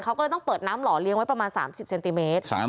เขาก็เลยต้องเปิดน้ำหล่อเลี้ยงไว้ประมาณ๓๐เซนติเมตร